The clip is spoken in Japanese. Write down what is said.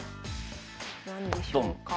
何でしょうか。